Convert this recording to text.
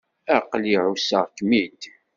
Aql-i ɛusseɣ-kem-id.